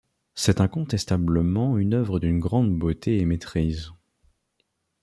C'est incontestablement une œuvre d'une grande beauté et maîtrise.